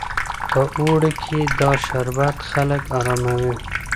په اوړي کې دا شربت خلک اراموي.